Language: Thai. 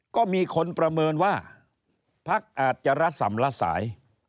ก็มีคนประเมินว่าพักอาจจะระสำละสาย